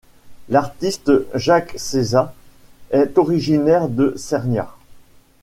L'artiste Jacques Cesa est originaire de Cerniat.